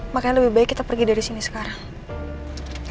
makanya lebih baik kita pergi dari sini sekarang